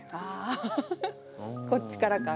あこっちからか。